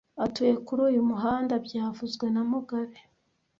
Atuye kuri uyu muhanda byavuzwe na mugabe